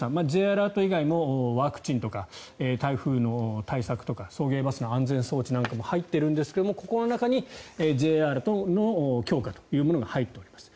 Ｊアラート以外もワクチンとか台風の対策とか送迎バスの安全装置なんかも入っているんですがここの中にＪアラートの強化というものが入っております。